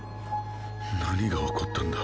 何が起こったんだ。